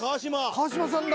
「川島さんだ」